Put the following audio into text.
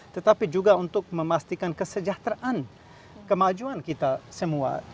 tetapi juga untuk memastikan kesejahteraan kemajuan kita semua